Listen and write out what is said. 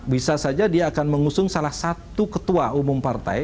bisa saja dia akan mengusung salah satu ketua umum partai